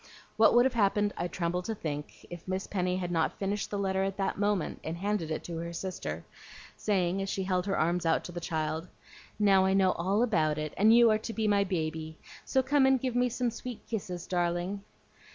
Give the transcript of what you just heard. What would have happened I tremble to think, if Miss Penny had not finished the letter at that moment and handed it to her sister, saying as she held out her arms to the child, "Now I know all about it, and you are to be my baby; so come and give me some sweet kisses, darling."